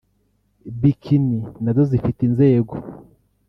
“Bikini na zo zifite inzego